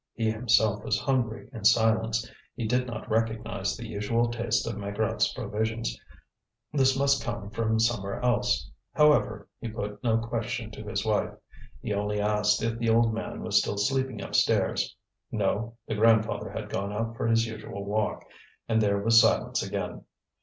He himself was hungry in silence; he did not recognize the usual taste of Maigrat's provisions; this must come from somewhere else; however, he put no question to his wife. He only asked if the old man was still sleeping upstairs. No, the grandfather had gone out for his usual walk. And there was silence again.